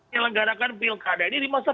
yang mengadakan pilkada ini dimaksudkan